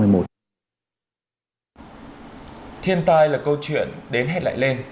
thiên tai là câu chuyện đến hết lại lên